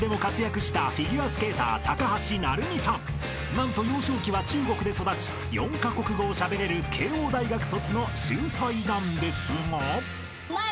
［何と幼少期は中国で育ち４カ国語をしゃべれる慶應大学卒の秀才なんですが］